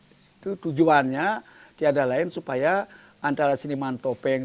itu tujuannya tidak ada lain supaya antara seniman topeng